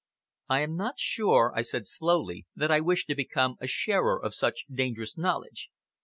"I am not sure," I said slowly, "that I wish to become a sharer of such dangerous knowledge."